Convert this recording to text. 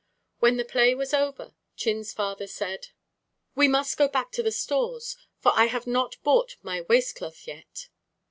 When the play was over, Chin's father said: "We must go back to the stores, for I have not bought my waist cloth yet."